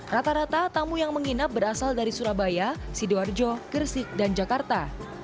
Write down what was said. rata rata tamu yang menginap berasal dari surabaya sidoarjo gresik dan jakarta